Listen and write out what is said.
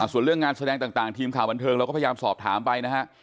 ส่วนเรื่องงานแสดงต่างทีมข่าวบันเทิงเราก็พยายามสอบถามไปนะฮะ